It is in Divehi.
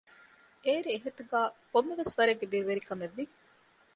އޭރު އެހިތުގައި ކޮންމެވެސް ވަރެއްގެ ބިރުވެރިކަމެއްވި